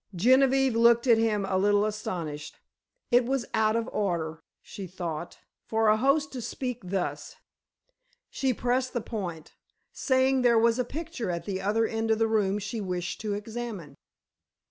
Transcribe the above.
Genevieve looked at him a little astonished. It was out of order, she thought, for a host to speak thus. She pressed the point, saying there was a picture at the other end of the room she wished to examine.